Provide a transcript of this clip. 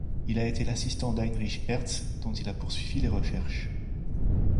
Il a été l'assistant de Heinrich Hertz dont il a poursuivi les recherches.